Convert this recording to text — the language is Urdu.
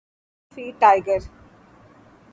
انصافی ٹائگر